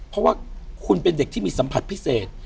เพราะว่าคุณเป็นเด็กที่มีสัมผัสพิเศษ